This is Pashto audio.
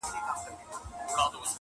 هم باغوان هم به مزدور ورته په قار سو -